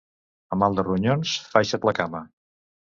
A mal de ronyons, faixa't la cama.